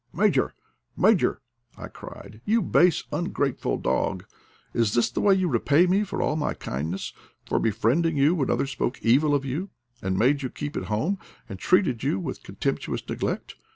" Major! Major !" I cried, "yon base ungrate ful dog! Is this the way yon repay me for all my kindness, for befriending you when others spoke evil of you, and made you keep at home, and treated $rou with contemptuous neglect!